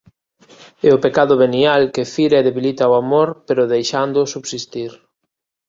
E o pecado venial que fire e debilita o amor pero deixándoo subsistir.